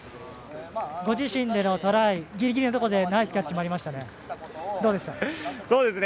ご自身でのトライギリギリのところでナイスキャッチもありましたね。